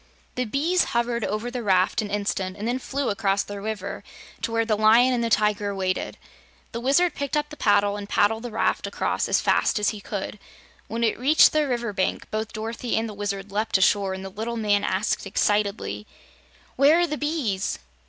The bees hovered over the raft an instant and then flew across the river to where the Lion and the Tiger waited. The Wizard picked up the paddle and paddled the raft across as fast as he could. When it reached the river bank, both Dorothy and the Wizard leaped ashore and the little man asked excitedly: "Where are the bees?"